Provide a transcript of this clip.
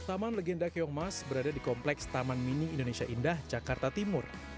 taman legenda keongmas berada di kompleks taman mini indonesia indah jakarta timur